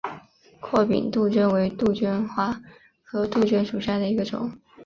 阔柄杜鹃为杜鹃花科杜鹃属下的一个种。